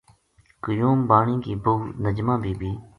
قیوم بانی کی بہو نجمہ بی بی